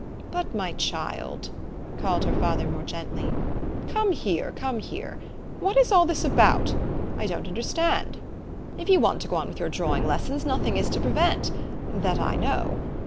"But my child," called her father more gently, " come here, come here! What is all this about? I don't understand. If you want to go on with 60 THE STORY OF AVIS. your drawing lessons, nothing is to prevent, that I know.